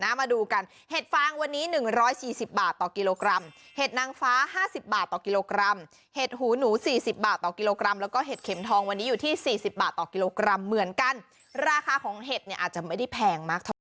มาดูกันเห็ดฟางวันนี้๑๔๐บาทต่อกิโลกรัมเห็ดนางฟ้าห้าสิบบาทต่อกิโลกรัมเห็ดหูหนูสี่สิบบาทต่อกิโลกรัมแล้วก็เห็ดเข็มทองวันนี้อยู่ที่สี่สิบบาทต่อกิโลกรัมเหมือนกันราคาของเห็ดเนี่ยอาจจะไม่ได้แพงมากเท่าไ